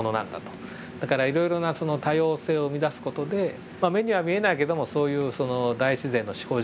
だからいろいろな多様性を生み出す事でまあ目には見えないけどもそういう大自然の思考